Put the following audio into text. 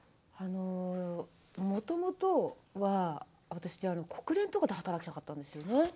もともとは私は国連とかで働きたかったんですよね。